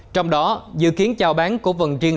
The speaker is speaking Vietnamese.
trong đó dự kiến chào bán cổ phần triển khí